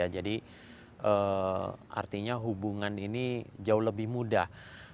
artinya hubungan ini jauh lebih mudah